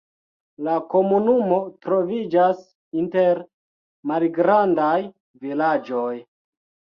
La komunumo troviĝas inter malgrandaj vilaĝoj.